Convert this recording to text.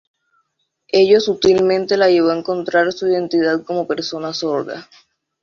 Ellos sutilmente la llevó a encontrar su identidad como persona sorda.